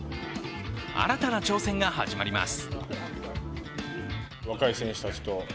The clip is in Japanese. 新たな挑戦が始まります。